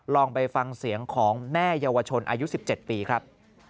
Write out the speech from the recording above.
ลองไปฟังเสียงของแม่เยาวชนอายุ๑๗ปีครับ